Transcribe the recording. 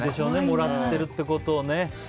もらったってことをね。